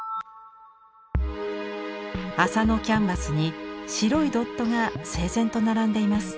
麻のキャンバスに白いドットが整然と並んでいます。